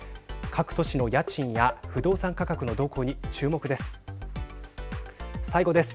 各都市の家賃や不動産価格の動向に注目です。